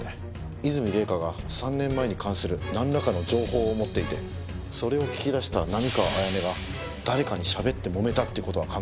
和泉礼香が３年前に関するなんらかの情報を持っていてそれを聞き出した並河彩音が誰かにしゃべってもめたって事は考えられませんか？